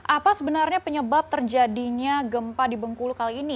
apa sebenarnya penyebab terjadinya gempa di bengkulu kali ini